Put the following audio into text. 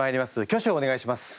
挙手をお願いします。